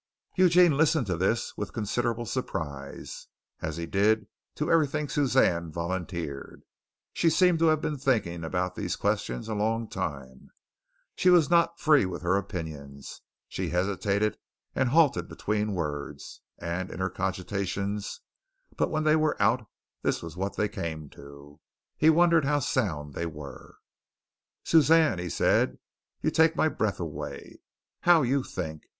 Eugene listened to this with considerable surprise, as he did to everything Suzanne volunteered. She seemed to have been thinking about these questions a long time. She was not free with her opinions. She hesitated and halted between words and in her cogitations, but when they were out this was what they came to. He wondered how sound they were. "Suzanne," he said, "you take my breath away! How you think!